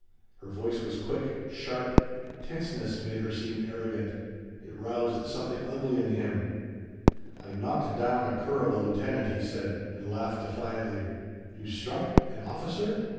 Her voice was quick, sharp; tenseness made her seem arrogant. It roused something ugly in him. "I knocked down a cur of a lieutenant," he said, and laughed defiantly. "You struck an officer?"